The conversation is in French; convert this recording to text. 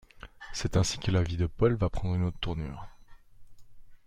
C'est ainsi que la vie de Paul va prendre une autre tournure...